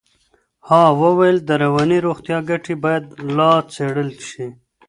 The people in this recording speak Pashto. ها وویل د رواني روغتیا ګټې باید لا څېړل شي.